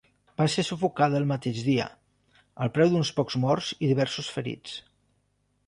Va ser sufocada el mateix dia, al preu d'uns pocs morts i diversos ferits.